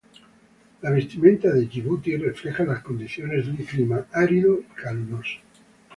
La vestimenta en Yibuti refleja las condiciones de un clima árido y caluroso.